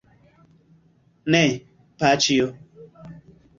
Ne, paĉjo.